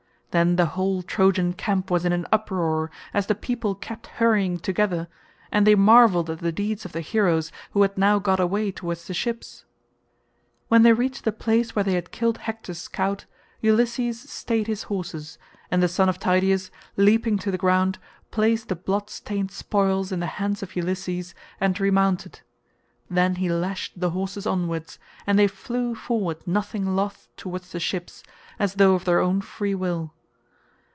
Then the whole Trojan camp was in an uproar as the people kept hurrying together, and they marvelled at the deeds of the heroes who had now got away towards the ships. When they reached the place where they had killed Hector's scout, Ulysses stayed his horses, and the son of Tydeus, leaping to the ground, placed the blood stained spoils in the hands of Ulysses and remounted: then he lashed the horses onwards, and they flew forward nothing loth towards the ships as though of their own free will.